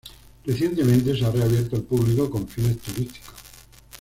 Recientemente se ha reabierto al público con fines turísticos.